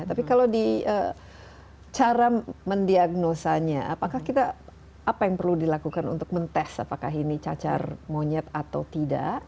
tapi kalau di cara mendiagnosanya apakah kita apa yang perlu dilakukan untuk mentes apakah ini cacar monyet atau tidak